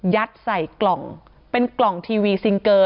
ใส่กล่องเป็นกล่องทีวีซิงเกอร์